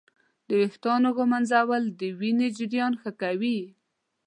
د ویښتانو ږمنځول د وینې جریان ښه کوي.